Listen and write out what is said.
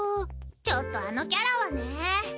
ちょっとあのキャラはね。